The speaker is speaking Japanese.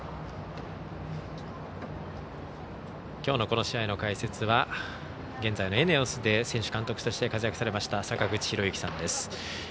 きょうのこの試合の解説は現在のＥＮＥＯＳで選手、監督として活躍されました坂口裕之さんです。